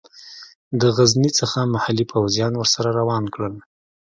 د غزني څخه محلي پوځیان ورسره روان کړل.